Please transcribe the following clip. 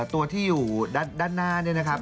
ตัวที่อยู่ด้านหน้านี่นะครับ